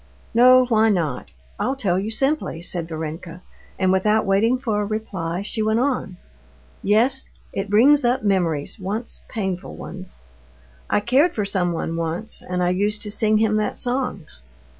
"No, why not? I'll tell you simply," said Varenka, and, without waiting for a reply, she went on: "Yes, it brings up memories, once painful ones. I cared for someone once, and I used to sing him that song."